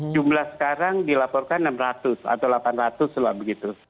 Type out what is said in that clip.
jumlah sekarang dilaporkan enam ratus atau delapan ratus lah begitu